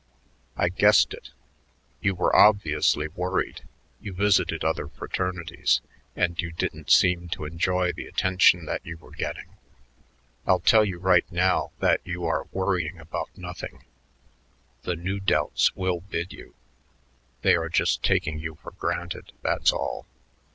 "I guessed it. You were obviously worried; you visited other fraternities; and you didn't seem to enjoy the attention that you were getting. I'll tell you right now that you are worrying about nothing; the Nu Delts will bid you. They are just taking you for granted; that's all.